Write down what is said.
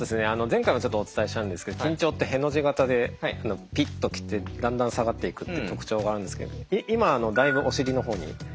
前回もちょっとお伝えしたんですけど緊張ってへの字型でピッと来てだんだん下がっていくって特徴があるんですけど今だいぶお尻の方に。